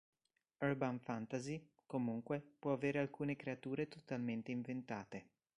Urban fantasy, comunque, può avere alcune creature totalmente inventate".